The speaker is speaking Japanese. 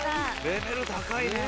レベル高いね！